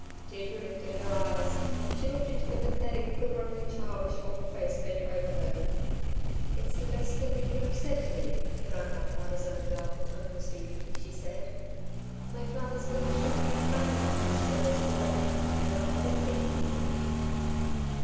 Deirdre lifted her eyes. She looked into the pathetic quiveringly childish, old face bent over her. "It's the best thing you could have said to me that I'm my father's own girl, Uncle Stevie," she said, "My father's girl shouldn't be crying like this when there's work and a lot of thinking to do."